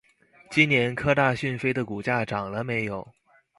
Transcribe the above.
今年科大讯飞的股价涨了没有？